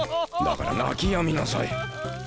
だから泣きやみなさい。